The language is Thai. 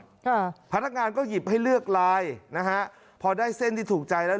ค่ะพนักงานก็หยิบให้เลือกลายนะฮะพอได้เส้นที่ถูกใจแล้ว